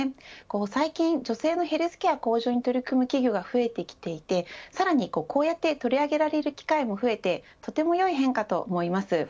最近、女性のヘルスケア向上に取り組む企業が増えてきていてさらに、こうやって取り上げられる機会も増えてとてもよい変化と思います。